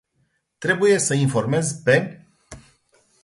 Trebuie sa informez pe.